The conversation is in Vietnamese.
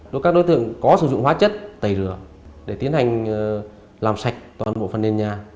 đối với các đối tượng có sử dụng hóa chất tẩy rửa để tiến hành làm sạch toàn bộ phần nền nhà